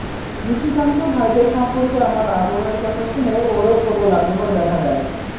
নিশিকান্ত ভাইদের সম্পর্কে আমার আগ্রহের কথা শুনে ওরও প্রবল আগ্রহ দেখা দেয়।